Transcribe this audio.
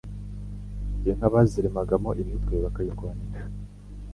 Inka baziremagamo imitwe bakayirwanisha.